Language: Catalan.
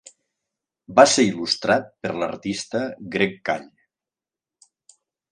Va ser il·lustrat per l'artista Greg Call.